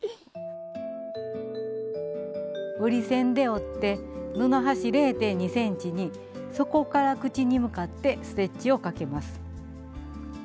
折り線で折って布端０．２ｃｍに底から口に向かってステッチをかけます。